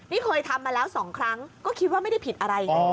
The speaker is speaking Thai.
นี่เคยทำมาแล้ว๒ครั้งก็คิดว่าไม่ได้ผิดอะไรไง